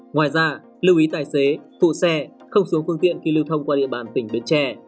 ngoài ra lưu ý tài xế phụ xe không xuống phương tiện khi lưu thông qua địa bàn tỉnh bến tre